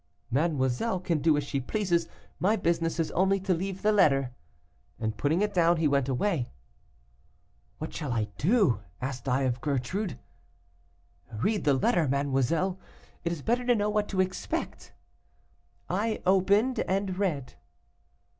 'Mademoiselle can do as she pleases; my business is only to leave the letter,' and putting it down, he went away. 'What shall I do?' asked I of Gertrude. 'Read the letter, mademoiselle; it is better to know what to expect.' I opened and read."